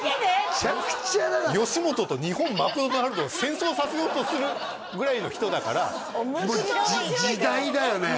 むちゃくちゃだな吉本と日本マクドナルドを戦争させようとするぐらいの人だから面白いけどもう時代だよね